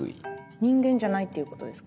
人間じゃないっていうことですか？